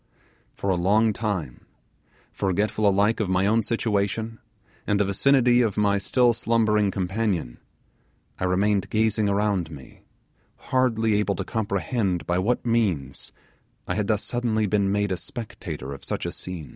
For a long time, forgetful alike of my own situation, and the vicinity of my still slumbering companion, I remained gazing around me, hardly able to comprehend by what means I had thus suddenly been made a spectator of such a scene.